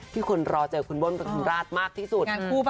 คนรอเจอคุณเบิ้ลประทุมราชมากที่สุด